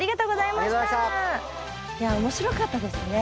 いや面白かったですね。